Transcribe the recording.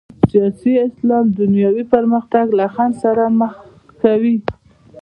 سیاسي اسلام دنیوي پرمختګ له خنډ سره مخ کوي.